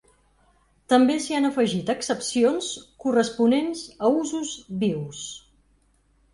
També s’hi han afegit accepcions corresponents a usos vius.